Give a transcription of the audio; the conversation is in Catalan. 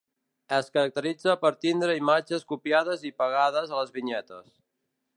Es caracteritza per tindre imatges copiades i pegades a les vinyetes.